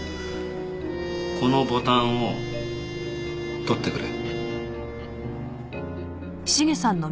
このボタンを取ってくれ。